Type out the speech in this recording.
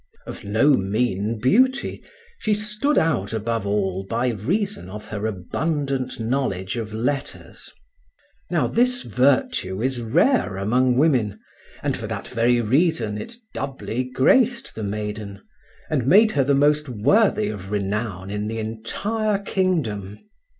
Of no mean beauty, she stood out above all by reason of her abundant knowledge of letters. Now this virtue is rare among women, and for that very reason it doubly graced the maiden, and made her the most worthy of renown in the entire kingdom.